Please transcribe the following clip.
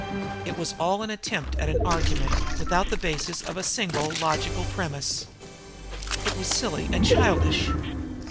It was all an attempt at argument without the basis of a single logical premise. It was silly and childish!